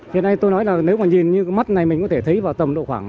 hiện nay tôi nói là nếu mà nhìn như cái mắt này mình có thể thấy vào tầm độ khoảng